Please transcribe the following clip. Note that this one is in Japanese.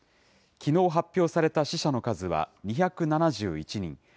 きのう発表された死者の数は２７１人。